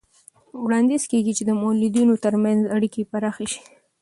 وړاندیز کېږي چې د مؤلدینو ترمنځ اړیکې پراخه شي.